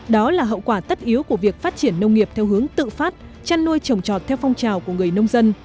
đó là hậu quả tất yếu của việc phát triển nông nghiệp theo hướng tự phát chăn nuôi trồng trọt theo phong trào của người nông dân